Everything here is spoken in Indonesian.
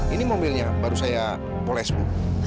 ini mobilnya baru saya poles bu